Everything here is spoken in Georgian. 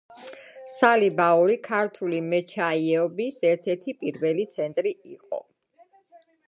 სალიბაური ქართული მეჩაიეობის ერთ-ერთი პირველი ცენტრი იყო.